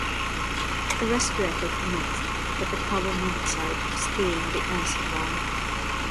A rescue effort commenced, but the carbon monoxide was stealing the air supply.